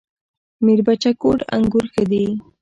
میربچه کوټ انګور ښه دي؟